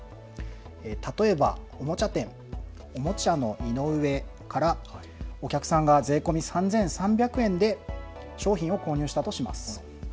例えばおもちゃ店、おもちゃの井上からお客さんが税込み３３００円で商品を購入したとします。